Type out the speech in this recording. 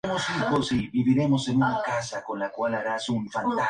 Es el cuarto volumen de la serie "Las Gallinas Locas".